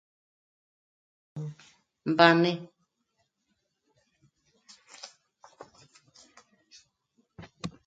Mbáne